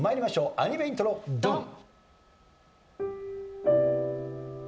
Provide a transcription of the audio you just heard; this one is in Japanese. アニメイントロドン！